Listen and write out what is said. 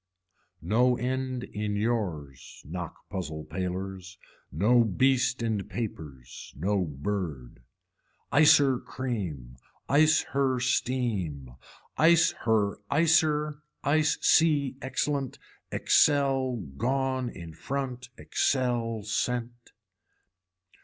No end in yours, knock puzzler palers, no beast in papers, no bird. Icer cream, ice her steam, ice her icer ice sea excellent, excel gone in front excel sent.